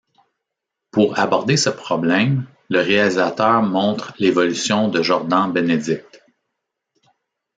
Pour aborder ce problème, le réalisateur montre l'évolution de Jordan Bénédict.